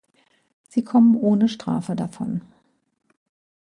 Sie kommen ohne Strafe davon.